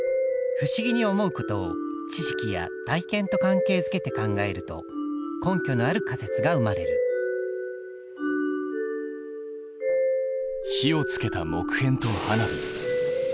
不思議に思うことを知識や体験と関係づけて考えると根拠のある仮説が生まれる火をつけた木片と花火。